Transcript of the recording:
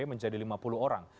menjadi lima puluh orang